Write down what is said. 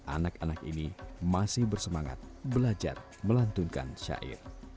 anak anak ini masih bersemangat belajar melantunkan syair